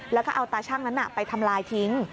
แล้วก็เอาตาชั่งนั้นไปทำลายทิ้ง